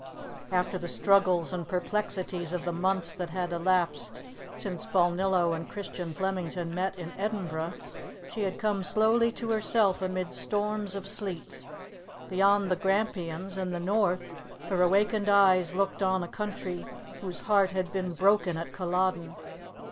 After the struggles and perplexities of the months that had elapsed since Balnillo and Christian Flemington met in Edinburgh, she had come slowly to herself amid storms of sleet. Beyond the Grampians, in the North, her awakened eyes looked on a country whose heart had been broken at Culloden.